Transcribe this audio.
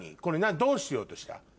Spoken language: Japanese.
これどうしようとした？